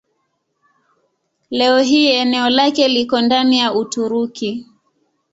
Leo hii eneo lake liko ndani ya Uturuki.